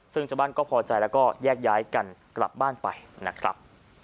ซึ่งชาวบ้านก็พอใจแล้วก็แยกย้ายกันกลับบ้านไปนะครับ